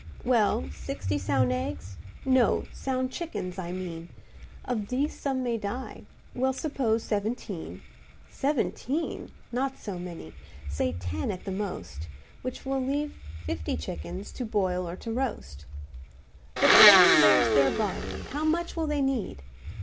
"Well, sixty sound eggs—no; sound chickens, I mean; Of these some may die—we'll suppose seventeen— Seventeen!—not so many—say ten at the most, Which will leave fifty chickens to boil or to roast. "But then there's their barley; how much will they need?